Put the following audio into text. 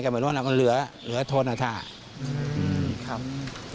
เหมือนว่าเราก็เหลือเหลือธนทราบ